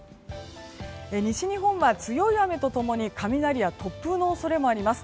西日本は強い雨と共に雷や突風の恐れもあります。